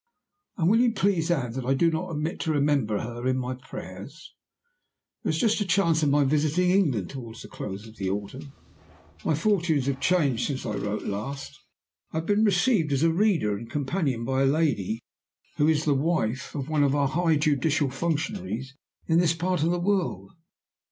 and will you please add that I do not omit to remember her in my prayers? "There is just a chance of my visiting England toward the close of the autumn. My fortunes have changed since I wrote last. I have been received as reader and companion by a lady who is the wife of one of our high judicial functionaries in this part of the world.